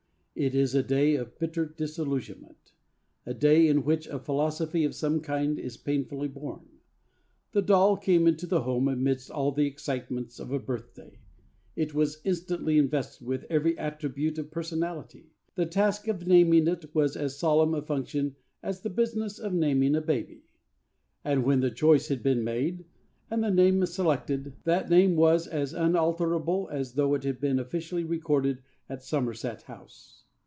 It is a day of bitter disillusionment, a day in which a philosophy of some kind is painfully born. The doll came into the home amidst all the excitements of a birthday. It was instantly invested with every attribute of personality. The task of naming it was as solemn a function as the business of naming a baby. And when the choice had been made, and the name selected, that name was as unalterable as though it had been officially recorded at Somerset House.